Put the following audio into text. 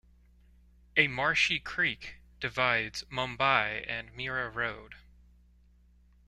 A marshy creek divides Mumbai and Mira Road.